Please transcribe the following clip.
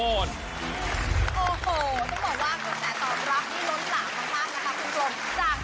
โอ้โหต้องบอกว่าตัวแสนตอบรับที่รถหลังมาบ้างนะครับคุณกลม